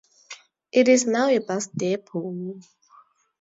It is now a bus depot.